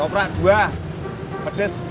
koprak buah pedes